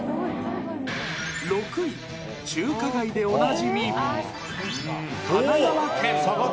６位、中華街でおなじみ、神奈川県。